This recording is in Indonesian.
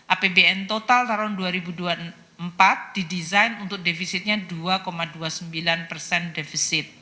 apbn total tahun dua ribu dua puluh empat didesain untuk defisitnya dua dua puluh sembilan persen defisit